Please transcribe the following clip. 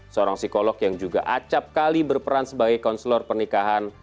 seorang psikolog yang juga acapkali berperan sebagai konselor pernikahan